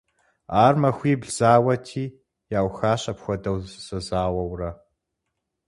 Ар махуибл зауэти, яухащ апхуэдэу зэзауэурэ.